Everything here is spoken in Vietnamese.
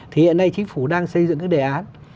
thì hiện nay chính phủ đang xây dựng cái đề án